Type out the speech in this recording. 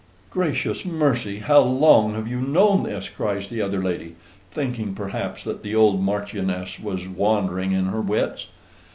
"Gracious mercy! how long have you known this?" cries the other lady (thinking perhaps that the old Marchioness was wandering in her wits).